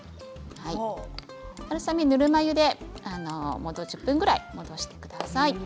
春雨、ぬるま湯で１０分ぐらい戻してください。